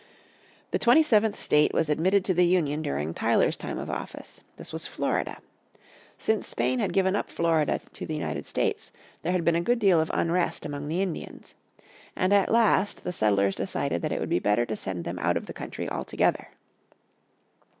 The twenty seventh state was admitted to the Union during Tyler's time of office. This was Florida. Since Spain had given up Florida to the United States there had been a good deal of unrest among the Indians. And at last the settlers decided that it would be better to send them out of the country altogether.